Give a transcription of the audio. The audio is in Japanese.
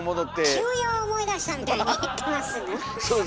急用思い出したみたいに行ってます。